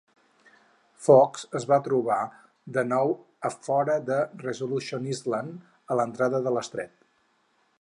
Foxe es va trobar de nou a fora de Resolution Island, a l'entrada de l'estret.